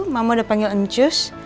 mama udah panggil ncus